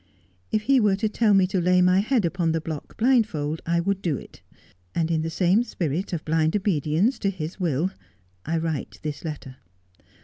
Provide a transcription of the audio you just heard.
If he were to tell me to lay my head upon the block, blindfold, I would do it ; and in the same spirit of blind obedience to his will I write this letter.